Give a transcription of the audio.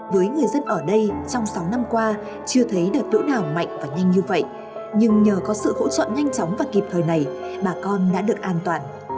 với người dân ở đây trong sáu năm qua chưa thấy đợt lũ nào mạnh và nhanh như vậy nhưng nhờ có sự hỗ trợ nhanh chóng và kịp thời này bà con đã được an toàn